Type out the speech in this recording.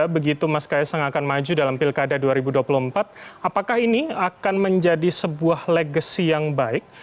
begitu mas kaisang akan maju dalam pilkada dua ribu dua puluh empat apakah ini akan menjadi sebuah legacy yang baik